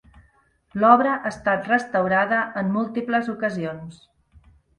L'obra ha estat restaurada en múltiples ocasions.